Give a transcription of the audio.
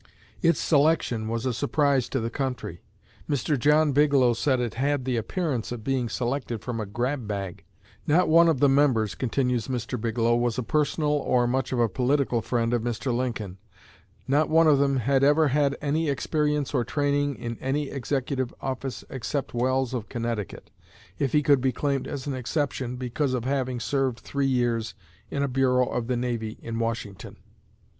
Its selection was a surprise to the country. Mr. John Bigelow said it "had the appearance of being selected from a grab bag." "Not one of the members," continues Mr. Bigelow, "was a personal or much of a political friend of Mr. Lincoln; not one of them had ever had any experience or training in any executive office, except Welles of Connecticut, if he could be claimed as an exception because of having served three years in a bureau of the Navy in Washington.